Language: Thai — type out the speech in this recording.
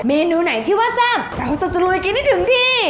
เมนูไหนที่ว่าแซ่บเราจะตะลุยกินให้ถึงที่